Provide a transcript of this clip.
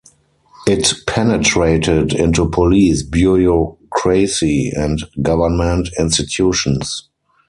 It penetrated into police, bureaucracy and government institutions.